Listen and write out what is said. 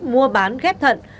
mua bán ghép thận